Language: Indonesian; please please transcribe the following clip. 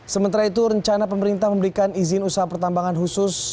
sementara itu rencana pemerintah memberikan izin usaha pertambangan khusus